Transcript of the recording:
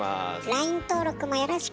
ＬＩＮＥ登録もよろしく。